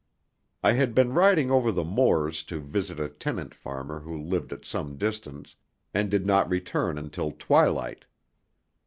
I had been riding over the moors to visit a tenant farmer who lived at some distance, and did not return until twilight.